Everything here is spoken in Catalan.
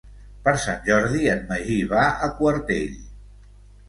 Per Sant Jordi en Magí va a Quartell.